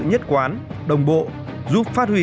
nhất quán đồng bộ giúp phát huy